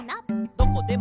「どこでも」